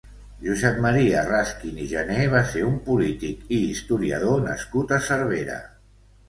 Josep Maria Razquin i Jené va ser un políitic i historiador nascut a Cervera.